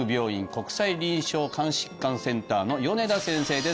国際臨床肝疾患センターの米田先生です